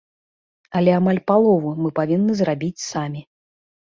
Але амаль палову мы павінны зарабіць самі.